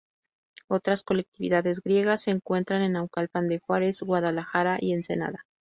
Otras colectividades griegas se encuentran en Naucalpan de Juárez, Guadalajara y Ensenada.